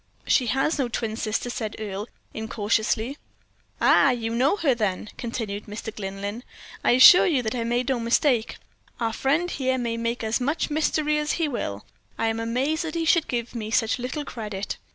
"She has no twin sister," said Earle, incautiously. "Ah! you know her, then," continued Mr. Glynlyn. "I assure you that I made no mistake. Our friend here may make as much mystery as he will. I am amazed that he should give me such little credit.